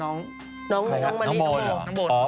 น้องมณีน้องโมล์